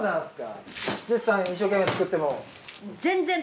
一生懸命作っても。